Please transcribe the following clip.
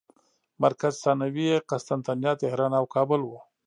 مرکز ثانوي یې قسطنطنیه، طهران او کابل وو.